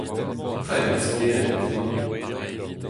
Petra eo ar spered-krouiñ ?